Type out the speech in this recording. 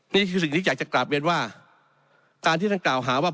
นี่คือสิ่งที่อยากจะกลับเรียนว่าการที่ท่านกล่าวหาว่า